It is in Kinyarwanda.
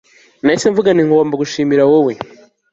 nahise mvuga nti ngomba gushimira. wowe